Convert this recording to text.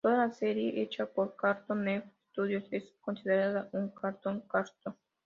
Toda serie hecha por Cartoon Network Studios es considerada un Cartoon Cartoons.